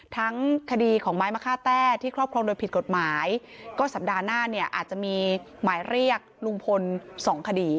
ทั้งคดีของไม้มะค่าแต้ที่ครอบครองโดยผิดกฎหมายก็สัปดาห์หน้าเนี่ยอาจจะมีหมายเรียกลุงพลสองคดี